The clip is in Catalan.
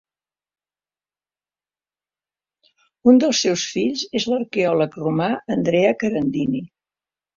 Un dels seus fills és l'arqueòleg romà Andrea Carandini.